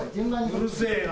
うるせえな。